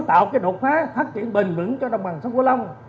đồng bằng sông cổ long sẽ đột phá phát triển bền vững cho đồng bằng sông cổ long